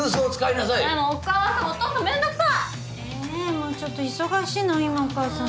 もうちょっと忙しいの今お母さん。